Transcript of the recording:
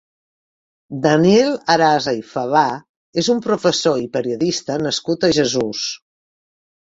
Daniel Arasa i Favà és un professor i periodista nascut a Jesús.